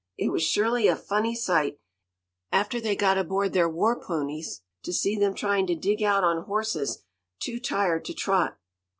It was surely a funny sight, after they got aboard their war ponies, to see them trying to dig out on horses too tired to trot.